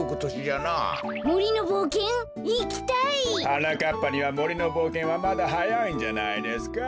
はなかっぱにはもりのぼうけんはまだはやいんじゃないですか？